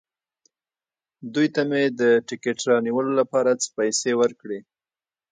دوی ته مې د ټکټ رانیولو لپاره څه پېسې ورکړې.